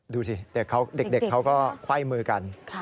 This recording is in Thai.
ดูสิเด็กเขาก็ไขว้มือกัน